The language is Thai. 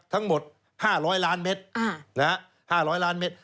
ทั้งหมด๕๐๐ล้านเมตร๕๐๐ล้านเมตร